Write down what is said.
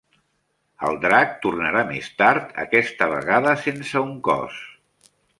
El drac tornarà més tard, aquesta vegada sense un cos.